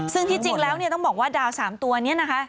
ซึ่งที่จริงแล้วเนี่ยต้องบอกว่าดาว๓ตัวนี้นะคะ